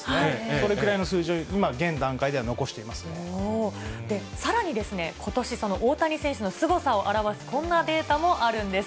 それくらいの数字を、今、現段階さらに、ことし、大谷選手のすごさを表すこんなデータもあるんです。